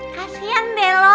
kasian deh lo